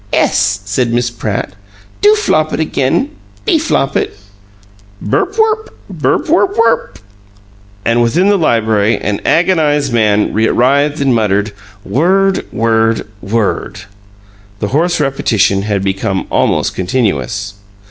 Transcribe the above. "Ess," said Miss Pratt. "Do Flopit again. Be Flopit!" "Berp werp! Berp werp werp." And within the library an agonized man writhed and muttered: "WORD! WORD! WORD " This hoarse repetition had become almost continuous.